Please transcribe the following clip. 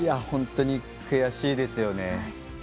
本当に悔しいですよね。